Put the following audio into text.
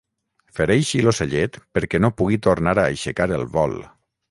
Fereixi l'ocellet perquè no pugui tornar a aixecar el vol.